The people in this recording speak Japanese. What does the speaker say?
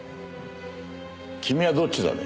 君はどっちだね？